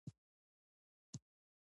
نوې ژبه زده کول ذهن فعال ساتي